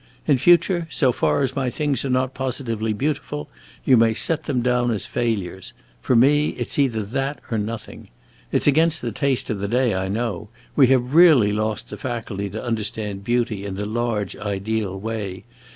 In future, so far as my things are not positively beautiful, you may set them down as failures. For me, it 's either that or nothing. It 's against the taste of the day, I know; we have really lost the faculty to understand beauty in the large, ideal way.